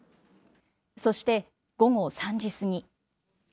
そして、午後３時過ぎ。